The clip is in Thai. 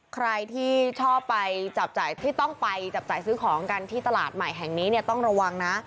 ใครที่ชอบไปจับจ่ายที่ต้องไปจับจ่ายซื้อของกันที่ตลาดใหม่แห่งนี้เนี่ยต้องระวังนะ